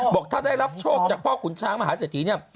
บอกถ้าได้รับโชคจากพ่อขุนช้างมหาสถิติ